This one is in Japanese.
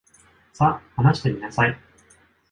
さ、話してみなさい。